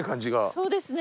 そうですね。